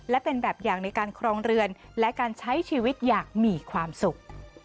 และเป็นแบบอย่างในการครองเรือนและการใช้ชีวิตอย่างมีความสุข